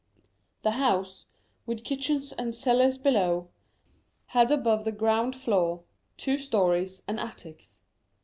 The house, with kitchens and cellars below, had above the ground floor, two stories and attics.